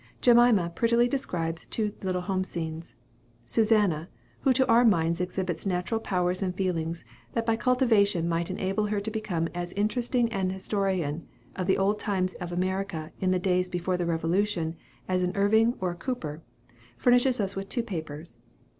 Jemima prettily describes two little home scenes. Susanna, who to our minds exhibits natural powers and feelings, that by cultivation might enable her to become as interesting an historian of the old times of America in the days before the Revolution as an Irving or a Cooper, furnishes us with two papers.